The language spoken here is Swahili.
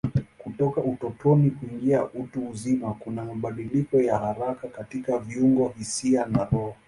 Kutoka utotoni kuingia utu uzima kuna mabadiliko ya haraka katika viungo, hisia na roho.